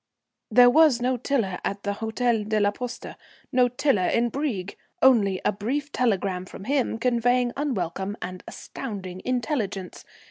There was no Tiler at the Hôtel de la Poste; no Tiler in Brieg. Only a brief telegram from him conveying unwelcome and astounding intelligence.